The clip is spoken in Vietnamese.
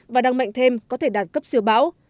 và đang mạnh thêm có thể đạt cấp siêu bão